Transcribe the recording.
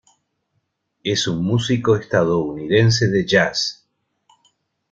Es un músico estadounidense de jazz.